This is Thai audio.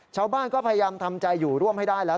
ชาวบ้านก็พยายามทำใจอยู่ร่วมให้ได้แล้ว